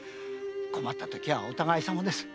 困ったときはお互い様です。